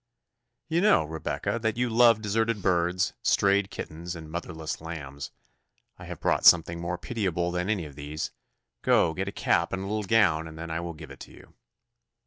"You know, Rebecca, that you love deserted birds, strayed kittens, and motherless lambs. I have brought something more pitiable than any of these. Go, get a cap and a little gown, and then I will give it you."